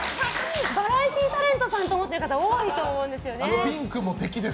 バラエティータレントさんと思っている方多いと思うんですよね。